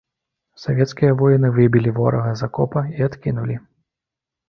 Савецкія воіны выбілі ворага з акопа і адкінулі.